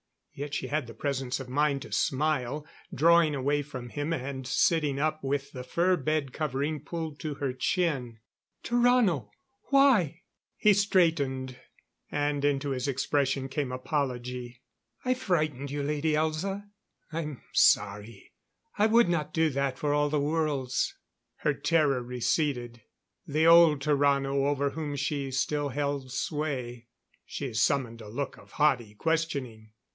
Yet she had the presence of mind to smile, drawing away from him and sitting up, with the fur bed covering pulled to her chin. "Tarrano? Why " He straightened, and into his expression came apology. "I frightened you, Lady Elza? I'm sorry. I would not do that for all the worlds." Her terror receded. The old Tarrano over whom she still held sway. She summoned a look of haughty questioning.